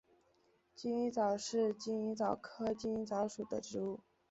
金鱼藻是金鱼藻科金鱼藻属的植物。